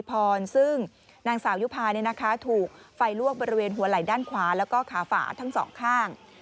บริเวณหัวไหล่ด้านขวาแล้วก็ขาฝาทั้งสองข้าง